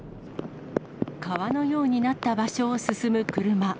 川のようになった場所を進む車。